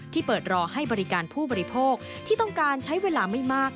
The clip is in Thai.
เปิดรอให้บริการผู้บริโภคที่ต้องการใช้เวลาไม่มาก